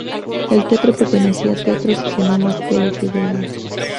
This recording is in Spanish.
El teatro pertenecía a Teatros y Cinemas Ltda..